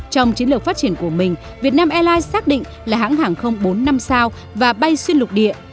trong chiến lược phát triển của mình vietnam airlines xác định là hãng hàng không bốn năm sao và bay xuyên lục địa